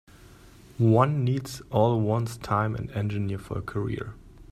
One needs all one's time and energy for a career.